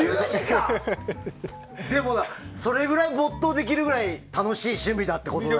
でも、それぐらい没頭できるぐらい楽しい趣味だってことだね。